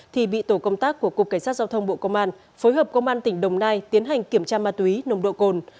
thì bị tổ công tác của cục cảnh sát giao thông bộ công an phối hợp công an tỉnh đồng nai tiến hành kiểm tra ma túy nồng độ cồn